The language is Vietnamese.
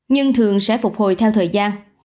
nhưng thường sẽ phục hồi theo thời gian